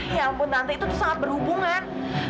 ya ampun tante itu tuh sangat berhubungan